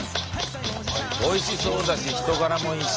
おいしそうだし人柄もいいし。